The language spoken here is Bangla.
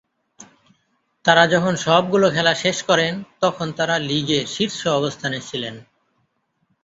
তারা যখন সবগুলো খেলা শেষ করেন তখন তারা লীগে শীর্ষ অবস্থানে ছিলেন।